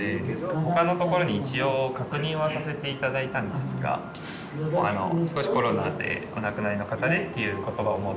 他のところに一応確認はさせて頂いたんですが少し「コロナでお亡くなりの方で」っていう言葉をもう出した途端にもうすぐ。